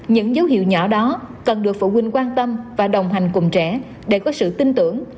những dấu hiệu nhỏ đó cần được phụ huynh quan tâm và đồng hành cùng trẻ để có sự tin tưởng